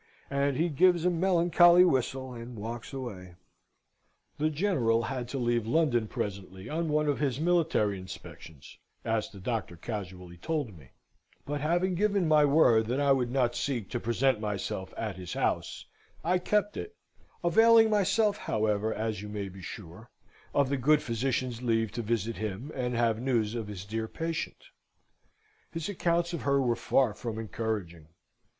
And he gives a melancholy whistle, and walks away. The General had to leave London presently on one of his military inspections, as the doctor casually told me; but, having given my word that I would not seek to present myself at his house, I kept it, availing myself, however, as you may be sure, of the good physician's leave to visit him, and have news of his dear patient. His accounts of her were, far from encouraging.